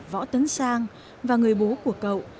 võ tấn sang và người bố của cậu